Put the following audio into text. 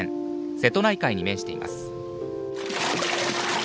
瀬戸内海に面しています。